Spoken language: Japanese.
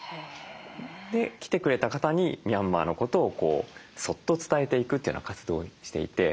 で来てくれた方にミャンマーのことをそっと伝えていくというような活動をしていて。